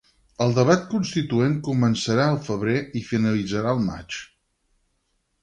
El Debat Constituent començarà al febrer i finalitzarà al maig